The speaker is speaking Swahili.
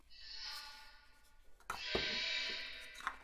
Nyuki anauma.